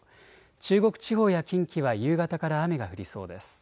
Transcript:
中国地方や近畿は夕方から雨が降りそうです。